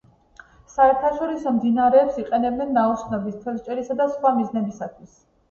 საერთაშორისო მდინარეებს იყენებენ ნაოსნობის, თევზჭერისა და სხვა მიზნებისათვის.